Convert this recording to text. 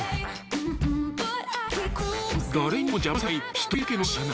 誰にも邪魔されない一人だけの車内。